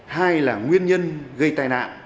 hai là nguyên nhân gây tai nạn